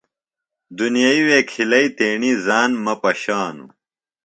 دُنیئی وے کھلیئی تیݨی ژان مہ پشانوۡ۔